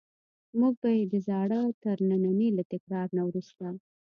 موږ به یې د زاړه ترننی له تکرار نه وروسته.